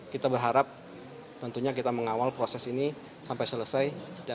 kita berharap tentunya kita mengawal proses ini sampai selesai